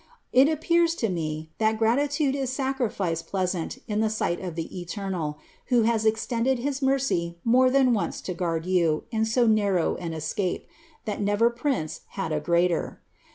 It appears to me that grati tude is sacrifice pleasant in the sight of the Eternal, who has extended his mercy more than once to guard you in so narrow an escape, that never prince had a greater.